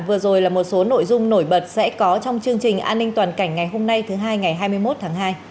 vừa rồi là một số nội dung nổi bật sẽ có trong chương trình an ninh toàn cảnh ngày hôm nay thứ hai ngày hai mươi một tháng hai